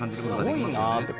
すごいなって。